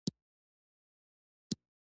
افغانستان په خاوره باندې تکیه لري.